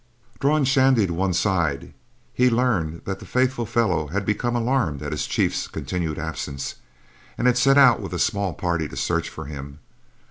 Drawing Shandy to one side, he learned that the faithful fellow had become alarmed at his chief's continued absence, and had set out with a small party to search for him.